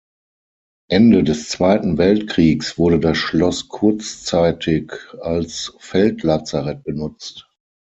Ende des Zweiten Weltkriegs wurde das Schloss kurzzeitig als Feldlazarett benutzt.